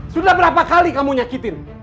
sudah berapa kali kamu nyakitin